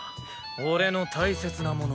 俺の大切なもの